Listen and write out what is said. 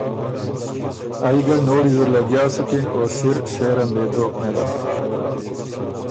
ائ ګۀ نوړی زر لګیا سُکِن او سِر سېر ان دې دوک نېله۔